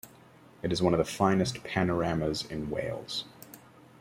It is one of the finest panoramas in Wales.